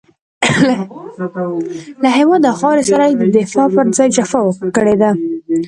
له هېواد او خاورې سره يې د وفا پر ځای جفا کړې ده.